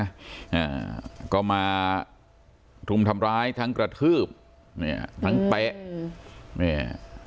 อ่าก็มาทุมทำร้ายทั้งกระทืบเนี่ยทั้งเป๊ะอืมเนี่ย